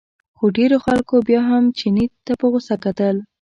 خو ډېرو خلکو بیا هم چیني ته په غوسه کتل.